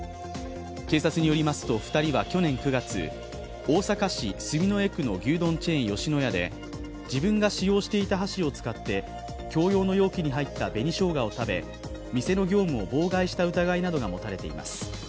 警察によりますと、２人は去年９月、大阪市住之江区の牛丼チェーン吉野家で、自分が使用していた箸を使って共用の容器に入った紅しょうがを食べ、店の業務を妨害した疑いなどが持たれています。